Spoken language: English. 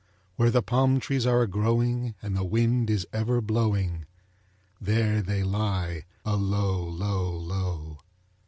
Where the palm trees are a growing, and the wind is ever blowing, There they lie alow, low, low.